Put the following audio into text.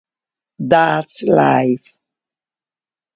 That's life!